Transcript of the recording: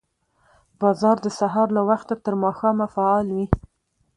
بازار د سهار له وخته تر ماښامه فعال وي